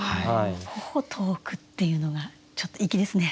「頬遠く」っていうのがちょっと粋ですね。